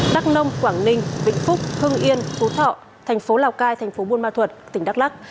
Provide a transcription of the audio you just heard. đắk nông quảng ninh vĩnh phúc hưng yên phú thọ tp lào cai tp môn ma thuật tỉnh đắk lắc